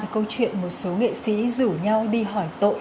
câu chuyện một số nghệ sĩ rủ nhau đi hỏi tội